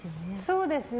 そうですね。